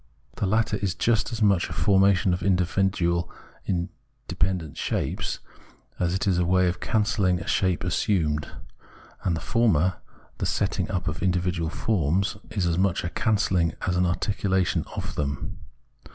The latter is just as much a formation of independent individual shapes, as it is a way of cancelhng a shape assumed ; and the former, the setting up of individual forms, is as much a cancelling as an articulation of them.